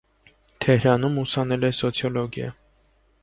Թեհրանում ուսանել է սոցիոլոգիա։